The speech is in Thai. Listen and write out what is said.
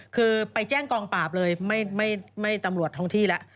คือไปแจ้งกองปราบเลยไม่ตำรวจท้องที่แล้ว